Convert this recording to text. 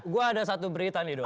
gue ada satu berita nih dok